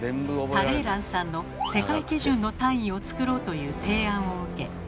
タレーランさんの世界基準の単位を作ろうという提案を受け